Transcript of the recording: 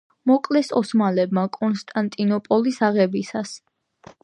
მოკლეს ოსმალებმა კონსტანტინოპოლის აღებისას.